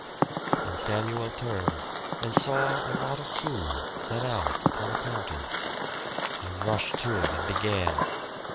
And Samuel turned and saw a lot of food set out upon a counter. He rushed to it and began.